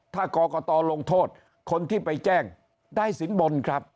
ถ้ากรกตลงโทษคนที่ไปแจ้งได้สินบนครับ